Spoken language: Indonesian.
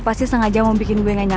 pasti sengaja mau bikin gue gak nyaman